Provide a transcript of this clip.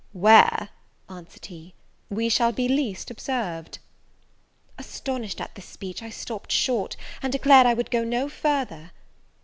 "Where," answered he, "we shall be least observed!" Astonished at this speech, I stopped short, and declared I would go no further.